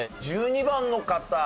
１２番の方